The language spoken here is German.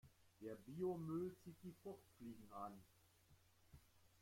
Der Biomüll zieht die Fruchtfliegen an.